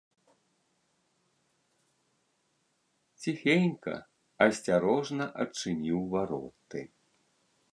Ціхенька, асцярожна адчыніў вароты.